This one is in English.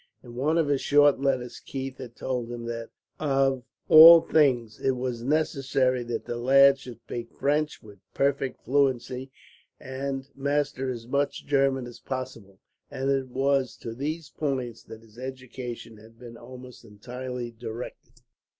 In one of his short letters Keith had told her that, of all things, it was necessary that the lad should speak French with perfect fluency, and master as much German as possible. And it was to these points that his education had been almost entirely directed.